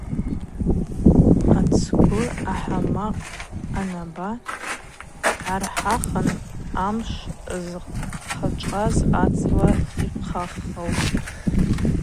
Ацгвы ахӏвамакъ анаба йгӏархӏахын амшв зхъачӏваз ацӏла йхъаххылтӏ.